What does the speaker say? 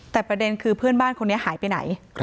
แต่ประเด็นคือเพื่อนบ้านคนนี้หายไปไหน